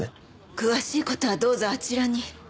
詳しい事はどうぞあちらに。